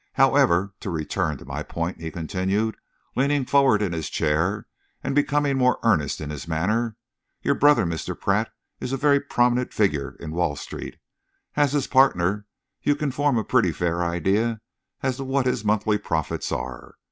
However, to return to my point," he continued, leaning forward in his chair and becoming more earnest in his manner, "your brother, Mr. Pratt, is a very prominent figure in Wall Street. As his partner, you can form a pretty fair idea as to what his monthly profits are.